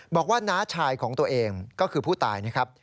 น้าชายของตัวเองก็คือผู้ตายนะครับ